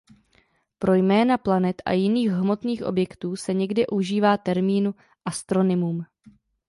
Pro jména planet a jiných hmotných objektů se někdy užívá termínu astronymum.